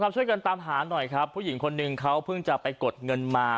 ช่วยกันตามหาหน่อยครับผู้หญิงคนหนึ่งเขาเพิ่งจะไปกดเงินมา